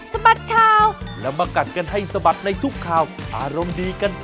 สวัสดีค่ะ